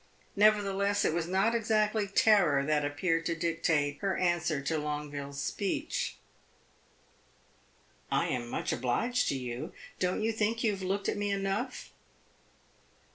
Nevertheless, it was not exactly terror that appeared to dictate her answer to Longueville's speech. "I am much obliged to you. Don't you think you have looked at me enough?"